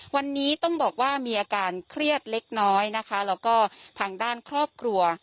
วันนี้ต้องบอกว่ามีอาการเครียดเล็กน้อยนะคะแล้วก็ทางด้านครอบครัว